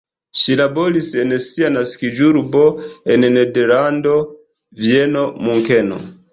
Ŝi laboris en sia naskiĝurbo, en Nederlando, Vieno, Munkeno.